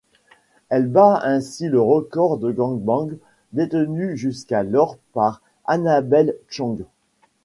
Elle bat ainsi le record de gang bang détenu jusqu'alors par Annabel Chong.